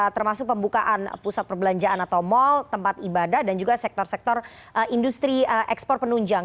termasuk pembukaan pusat perbelanjaan atau mal tempat ibadah dan juga sektor sektor industri ekspor penunjang